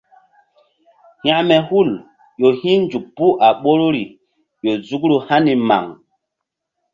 Hȩkme hul ƴo hi̧nzuk puh a ɓoruri ƴo nzukru hani maŋ.